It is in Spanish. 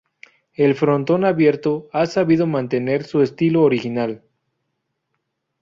El frontón abierto ha sabido mantener su estilo original.